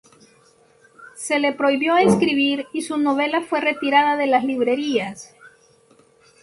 Se le prohibió escribir y su novela fue retirada de las librerías.